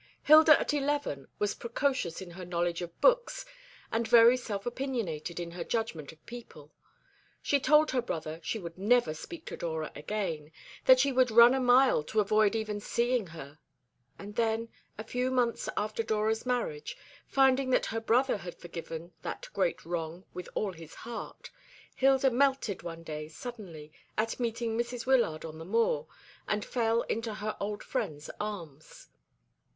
Hilda at eleven was precocious in her knowledge of books, and very self opinionated in her judgment of people. She told her brother she would never speak to Dora again, that she would run a mile to avoid even seeing her: and then, a few months after Dora's marriage, finding that her brother had forgiven that great wrong with all his heart, Hilda melted one day suddenly, at meeting Mrs. Wyllard on the moor, and fell into her old friend's arms.